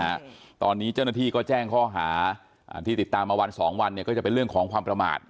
นะฮะตอนนี้เจ้าหน้าที่ก็แจ้งข้อหาอ่าที่ติดตามมาวันสองวันเนี่ยก็จะเป็นเรื่องของความประมาท